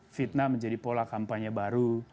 fitnah menjadi pola kampanye baru